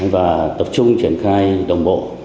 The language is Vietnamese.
và tập trung triển khai đồng bộ